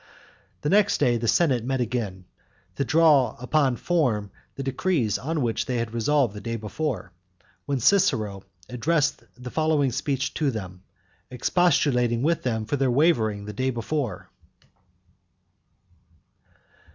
The next day the senate met again, to draw upon form the decrees on which they had resolved the day before, when Cicero addressed the following speech to them, expostulating with them for their wavering the day before.